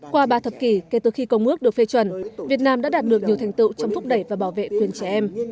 qua ba thập kỷ kể từ khi công ước được phê chuẩn việt nam đã đạt được nhiều thành tựu trong thúc đẩy và bảo vệ quyền trẻ em